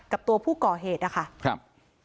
กับตัวผู้ก่อเหตุนะคะครับ